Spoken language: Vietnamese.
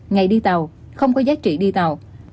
ngày đi tàu không có giá trị đi tàu